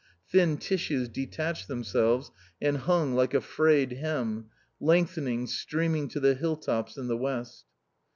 Thin tissues detached themselves and hung like a frayed hem, lengthening, streaming to the hilltops in the west.